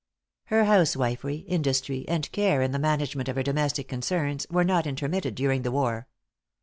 Her housewifery, industry, and care in the management of her domestic concerns, were not intermitted during the war.